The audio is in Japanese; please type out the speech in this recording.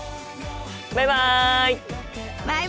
バイバイ！